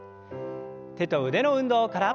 手と腕の運動から。